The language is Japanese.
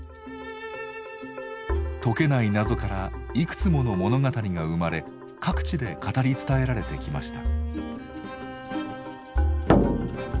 解けない謎からいくつもの物語が生まれ各地で語り伝えられてきました。